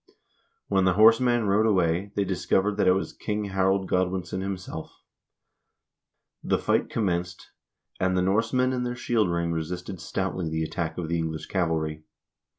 When the horseman rode away, they discovered that it was King Harold Godwinson himself. The fight commenced, and the Norsemen in their shield ring resisted stoutly the attack of the English cavalry.